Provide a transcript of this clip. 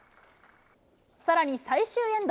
さらに最終エンド。